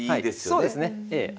そうですねええ。